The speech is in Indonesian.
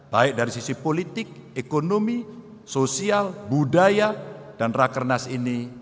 baik dari sisi politik ekonomi sosial budaya dan rakernas ini